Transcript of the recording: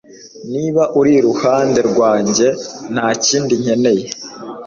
Niba uri iruhande rwanjye nta kindi nkeneye